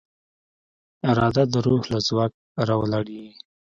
اراده د روح له ځواک راولاړېږي.